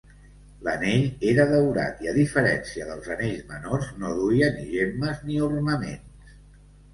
L'Anell era daurat i a diferència dels anells menors no duia ni gemmes ni ornaments.